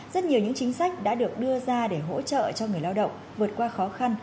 rất nhiều những chính sách đã được đưa ra để hỗ trợ cho người lao động vượt qua khó khăn